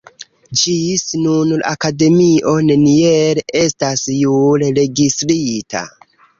Ĝis nun la Akademio neniel estas jure registrita.